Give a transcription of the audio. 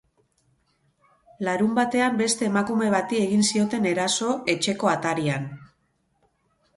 Larunbatean beste emakume bati egin zioten eraso, etxeko atarian.